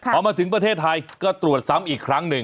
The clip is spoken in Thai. พอมาถึงประเทศไทยก็ตรวจซ้ำอีกครั้งหนึ่ง